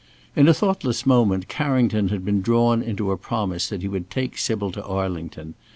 In a thoughtless moment Carrington had been drawn into a promise that he would take Sybil to Arlington.